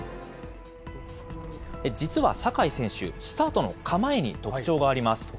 実は坂井選手、スタートの構えに特徴があります。